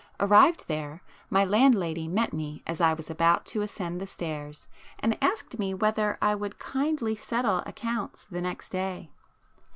Arrived there, my landlady met me as I was about to ascend the stairs, and asked me whether I would 'kindly settle accounts' the next day.